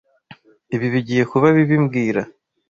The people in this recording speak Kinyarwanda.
Ibi bigiye kuba bibi mbwira